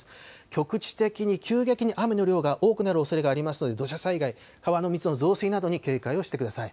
局地的に急激に雨の量が多くなるおそれがありますので、土砂災害、川の水の増水などに警戒をしてください。